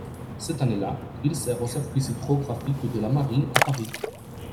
Cette année-là, il sert au service hydrographique de la Marine à Paris.